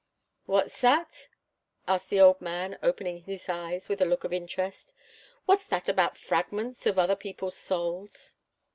"What's that?" asked the old man, opening his eyes with a look of interest. "What's that about fragments of other people's souls?"